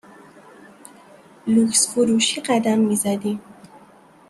لوکس فروشی قدم می زدیم